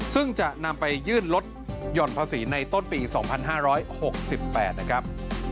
ซึ่งจะนำไปยื่นลดหย่อนภาษีในต้นปี๒๕๖๘นะครับ